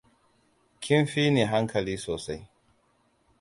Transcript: Kin fini hankali sosai.